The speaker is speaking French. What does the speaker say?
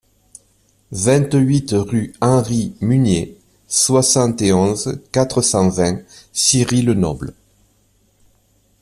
vingt-huit rue Henri Mugnier, soixante et onze, quatre cent vingt, Ciry-le-Noble